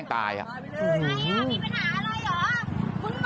นายอ่ะมีปัญหาอะไรเหรอ